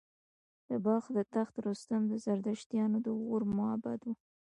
د بلخ د تخت رستم د زردشتیانو د اور معبد و